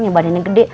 yang badannya gede